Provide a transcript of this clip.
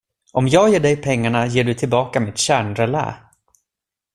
Om jag ger dig pengarna ger du tillbaka mitt kärnrelä.